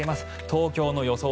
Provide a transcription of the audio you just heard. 東京の予想